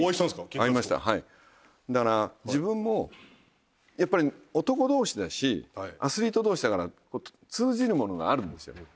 だから自分もやっぱり男同士だしアスリート同士だから通じるものがあるんですよ。